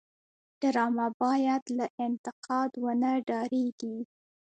ډرامه باید له انتقاد ونه وډاريږي